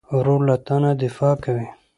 ورور له تا نه دفاع کوي.